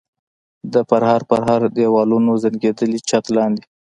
د پرهر پرهر دېوالونو زنګېدلي چت لاندې.